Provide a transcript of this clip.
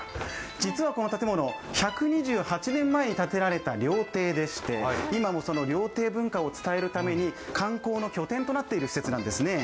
実はこの建物、１２８年前に建てられた料亭でして今もその料亭文化を伝えるために観光の拠点となっている施設なんですね。